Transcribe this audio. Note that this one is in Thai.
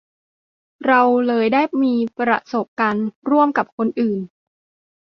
เราเลยได้มีประสบการณ์ร่วมกับคนอื่น